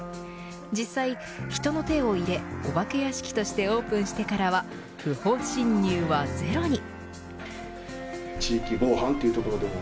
実際、人の手を入れお化け屋敷としてオープンしてからは不法侵入はゼロに。